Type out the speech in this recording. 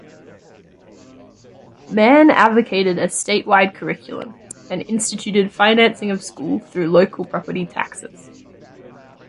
Mann advocated a statewide curriculum and instituted financing of school through local property taxes.